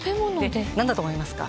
何だと思いますか？